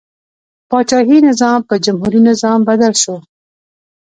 پاچاهي نظام په جمهوري نظام بدل شو.